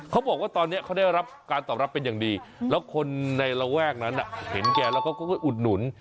เขาบอกว่าตอนนี้เขาได้รับการตอบรับเป็นอย่างดีแล้วคนในระแวกนั้นเห็นแกแล้วเขาก็อุดหนุน